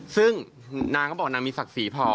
ซึ่งนางก็บอกนางมีศักดิ์ศรีพอ